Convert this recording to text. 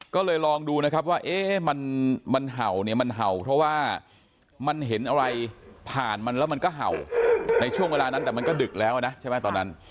ก็เลยลองดูนะครับว่ามันเห่าเนี่ยมันเห่าเพราะว่ามันเห็นอะไรผ่านมันแล้วมันก็เห่าในช่วงเวลานั้นแต่มันก็ดึกแล้วนะใช่ไหมตอนนั้น